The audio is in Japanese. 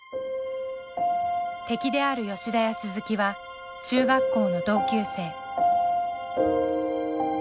敵である吉田や鈴木は中学校の同級生。